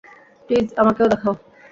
Please আমাকেও দেখাও!